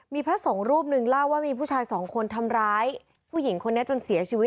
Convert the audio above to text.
มีพระสงฆ์รูปหนึ่งเล่าว่ามีผู้ชายสองคนทำร้ายผู้หญิงคนนี้จนเสียชีวิต